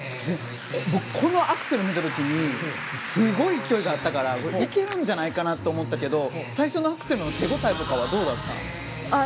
このアクセル見た時にすごい勢いがあったからいけるんじゃないかなと思ったけど最初のアクセルの手応えとかどうだった？